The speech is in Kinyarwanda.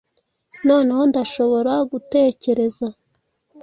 Noneho ndashobora gutekereza?